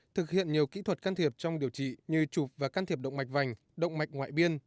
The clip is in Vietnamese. thực hiện nhiều kỹ thuật can thiệp trong điều trị như chụp và can thiệp động mạch vành động mạch ngoại biên